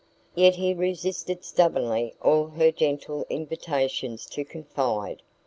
Yet he resisted stubbornly all her gentle invitations to confide.